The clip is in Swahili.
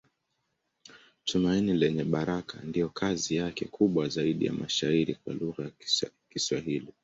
Tumaini Lenye Baraka ndiyo kazi yake kubwa zaidi ya mashairi kwa lugha ya Kiswahili.